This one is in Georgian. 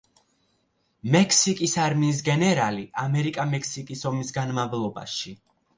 მექსიკის არმიის გენერალი ამერიკა-მექსიკის ომის განმავლობაში.